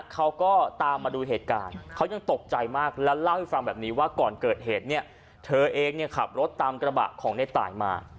เขาก็ตามมาดูเหตุการณ์เขายังตกใจมากแล้วเล่าให้ฟังแบบนี้ว่าก่อนเกิดเหตุเนี่ยเธอเองเนี่ยขับรถตามกระบะของในตายมา